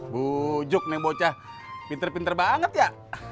bujuk nih bocah pinter pinter banget ya